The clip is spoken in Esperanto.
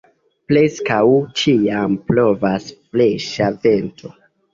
Preskaŭ ĉiam blovas freŝa vento.